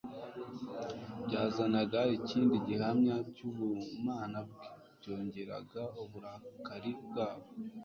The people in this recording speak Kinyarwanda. byazanaga ikindi gihamya cy'ubumana bwe, byongeraga uburakari bwabo.